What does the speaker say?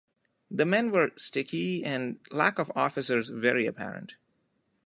The men were sticky and lack of officers very apparent.